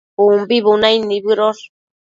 umbi bunaid nibëdosh